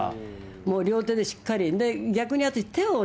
もう両手でしっかり。